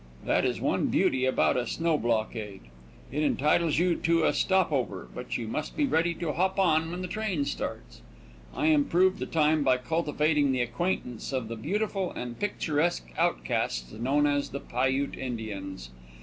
That is one beauty about a snow blockade. It entitles you to a stop over, but you must be ready to hop on when the train starts. I improved the time by cultivating the acquaintance of the beautiful and picturesque outcasts known as the Piute Indians.